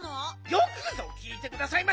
よくぞきいてくださいました！